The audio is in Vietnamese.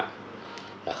sử lý bị phạm